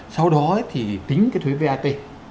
sau đó thì tính cái thuế vat